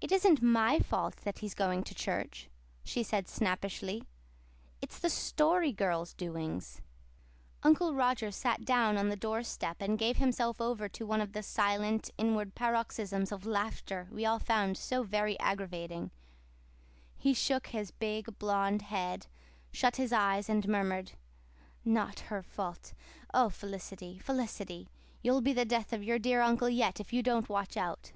"It isn't my fault that he's going to church," she said snappishly. "It's the Story Girl's doings." Uncle Roger sat down on the doorstep, and gave himself over to one of the silent, inward paroxysms of laughter we all found so very aggravating. He shook his big, blond head, shut his eyes, and murmured, "Not her fault! Oh, Felicity, Felicity, you'll be the death of your dear Uncle yet if you don't watch out."